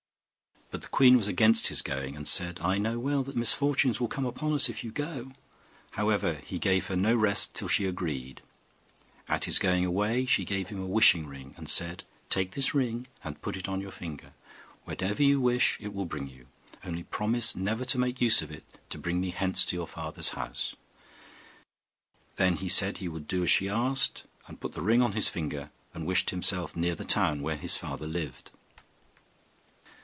But the queen was against his going, and said, 'I know well that misfortunes will come upon us if you go.' However, he gave her no rest till she agreed. At his going away she gave him a wishing ring, and said, 'Take this ring, and put it on your finger; whatever you wish it will bring you; only promise never to make use of it to bring me hence to your father's house.' Then he said he would do what she asked, and put the ring on his finger, and wished himself near the town where his father lived.